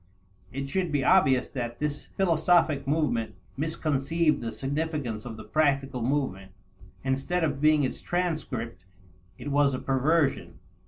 It should be obvious that this philosophic movement misconceived the significance of the practical movement. Instead of being its transcript, it was a perversion.